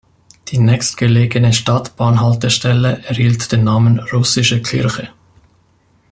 Die nächstgelegene Stadtbahnhaltestelle erhielt den Namen "Russische Kirche".